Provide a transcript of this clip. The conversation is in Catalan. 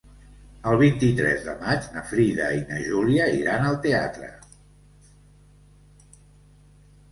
El vint-i-tres de maig na Frida i na Júlia iran al teatre.